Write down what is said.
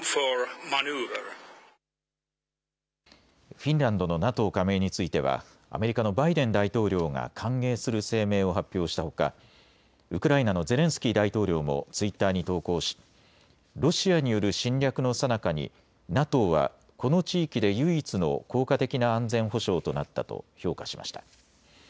フィンランドのＮＡＴＯ加盟についてはアメリカのバイデン大統領が歓迎する声明を発表したほか、ウクライナのゼレンスキー大統領もツイッターに投稿しロシアによる侵略のさなかにＮＡＴＯはこの地域で唯一の効果的な安全保障となったと評価しました。